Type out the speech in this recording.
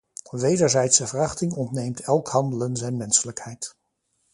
Wederzijdse verachting ontneemt elk handelen zijn menselijkheid.